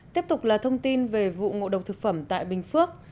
tiếp tục là thông tin về vụ ngộ độc thực phẩm tại bình phước